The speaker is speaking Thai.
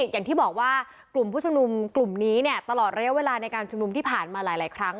อย่างที่บอกว่ากลุ่มผู้ชุมนุมกลุ่มนี้เนี่ยตลอดระยะเวลาในการชุมนุมที่ผ่านมาหลายครั้ง